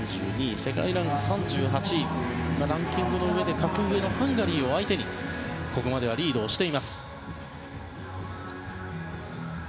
世界ランク３８ランキングのうえで格上のハンガリーを相手にここまではリードしています。